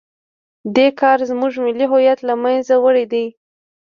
دې کار زموږ ملي هویت له منځه وړی دی.